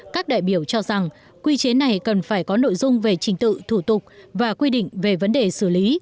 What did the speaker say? các đại biểu cho rằng quy chế này cần phải có nội dung về trình tự thủ tục và quy định về vấn đề xử lý